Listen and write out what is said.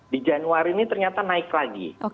di januari ini ternyata naik lagi